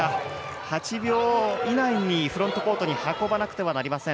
８秒以内にフロントコートに運ばなくてはなりません。